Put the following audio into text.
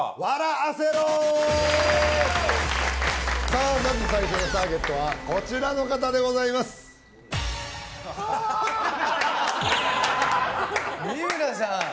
アセろさあまず最初のターゲットはこちらの方でございます三村さん